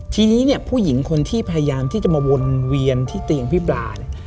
ทีนี้เนี่ยผู้หญิงคนที่พยายามที่จะมาวนเวียนที่เตียงพี่ปลาเนี่ย